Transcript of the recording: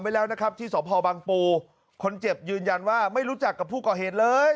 ไว้แล้วนะครับที่สพบังปูคนเจ็บยืนยันว่าไม่รู้จักกับผู้ก่อเหตุเลย